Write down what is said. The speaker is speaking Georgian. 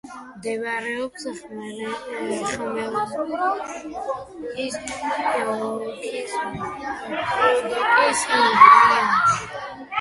მდებარეობს ხმელნიცკის ოლქის გოროდოკის რაიონში.